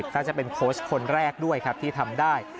ก็จะเป็นโค้ชคนแรกด้วยครับที่ทำได้